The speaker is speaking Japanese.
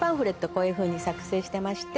こういうふうに作成してまして。